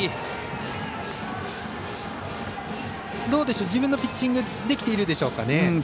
どうでしょう、自分のピッチングできているでしょうか？